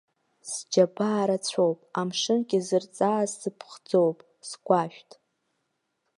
Сџьабаа рацәоуп, амшынгьы зырҵааз сыԥхӡоуп, сгәашәҭ!